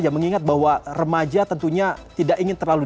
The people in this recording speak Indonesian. ya mengingat bahwa remaja tentunya tidak ingin terlalu